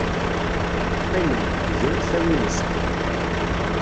Qqiment, gant tawinest.